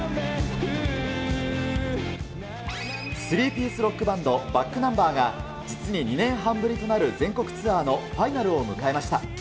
３ピースロックバンド、ｂａｃｋｎｕｍｂｅｒが、実に２年半ぶりとなる全国ツアーのファイナルを迎えました。